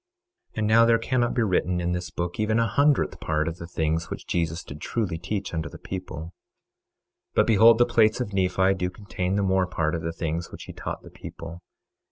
26:6 And now there cannot be written in this book even a hundredth part of the things which Jesus did truly teach unto the people; 26:7 But behold the plates of Nephi do contain the more part of the things which he taught the people.